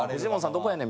どこやねん？